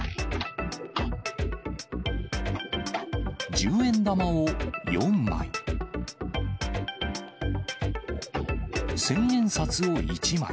十円玉を４枚、千円札を１枚。